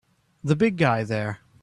The big guy there!